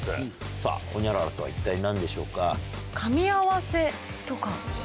さぁホニャララとは一体何でしょうか。